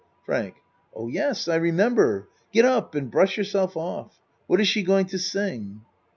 FRANK Oh, yes, I remember. Get up and brush yourself off. What is she going to sing?